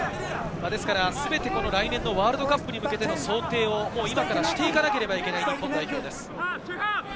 ですからせめて来年のワールドカップに向けての想定を今からしていかなければならない、日本代表です。